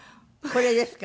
これですか？